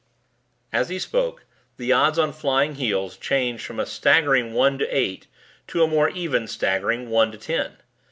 '" As he spoke the odds on Flying Heels changed from a staggering One to Eight to an even more staggering One to Ten.